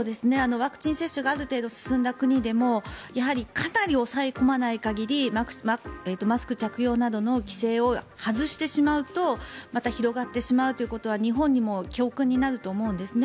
ワクチン接種がある程度進んだ国でもやはり、かなり抑え込まない限りマスク着用などの規制を外してしまうとまた広がってしまうということは日本でも教訓になると思うんですね。